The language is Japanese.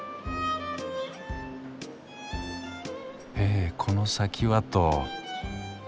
えこの先はと？